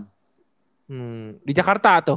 sd di jakarta atau